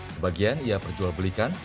sebagian ia perjual belikan